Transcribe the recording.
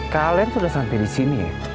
kalian sudah sampai disini ya